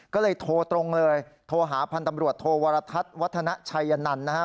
ก็เลยโทรตรงเลยโทรหาพันธ์ตำรวจโทวรทัศน์วัฒนาชัยนันต์นะฮะ